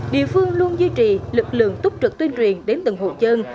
địa phương luôn duy trì lực lượng túc trực tuyên truyền đến từng hộ dân